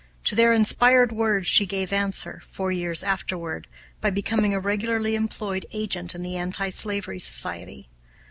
To their inspired words she gave answer, four years afterward, by becoming a regularly employed agent in the Anti slavery Society.